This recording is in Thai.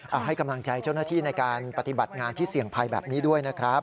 เอาให้กำลังใจเจ้าหน้าที่ในการปฏิบัติงานที่เสี่ยงภัยแบบนี้ด้วยนะครับ